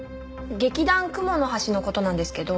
「劇団雲の端」の事なんですけど。